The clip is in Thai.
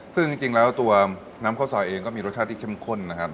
ซึ่งจริงแล้วตัวน้ำข้าวซอยเองก็มีรสชาติที่เข้มข้นนะครับ